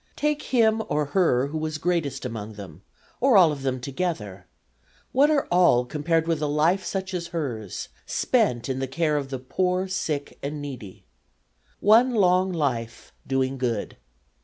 Take him or her who was greatest among them, or all of them together, what are all compared with a life such as hers, spent in the care of the poor, sick and needy? One long life doing good.